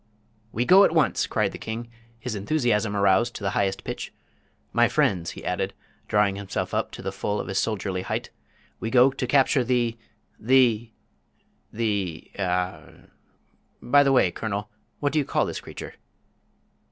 "We go at once," cried the king, his enthusiasm aroused to the highest pitch. "My friends," he added, drawing himself up to the full of his soldierly height, "we go to capture the the the er by the way, Colonel, what do you call this creature?"